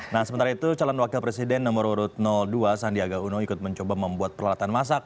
nah sementara itu calon wakil presiden nomor urut dua sandiaga uno ikut mencoba membuat peralatan masak